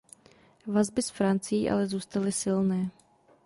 Vazby s Francií ale zůstaly silné.